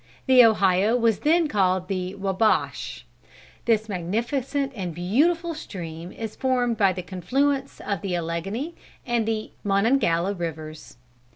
The Ohio was then called the Wabash. This magnificent and beautiful stream is formed by the confluence of the Alleghany and the Monongahela rivers.